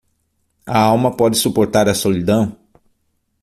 A alma pode suportar a solidão?